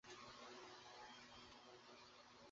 একটা চুনি, একটা পান্না, একটা হীরের আংটি।